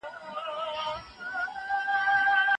ټولنپوهنه د خلګو ترمنځ اړيکو ته لېواله ده.